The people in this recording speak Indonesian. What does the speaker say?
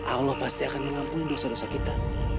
allah pasti akan mengampuni dosa dosa kita